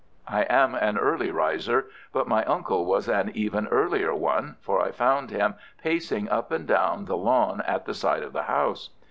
I am an early riser, but my uncle was an even earlier one, for I found him pacing up and down the lawn at the side of the house.